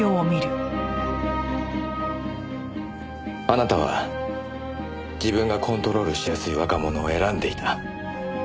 あなたは自分がコントロールしやすい若者を選んでいた。